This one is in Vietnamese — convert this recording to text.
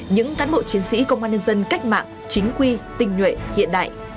những cán bộ chiến sĩ công an nhân dân cách mạng chính quy tinh nhuệ hiện đại